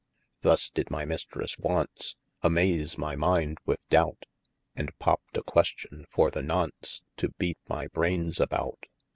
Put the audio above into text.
Thus did my Mistresse once, Amaze my minde with doubt: And popt a question for the nonce, To beate my braines about.